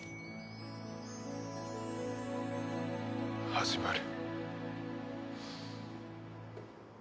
始まる。